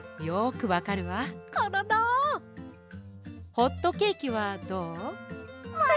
ホットケーキはどう？